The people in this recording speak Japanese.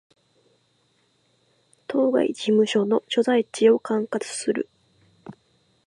当該事務所の所在地を管轄する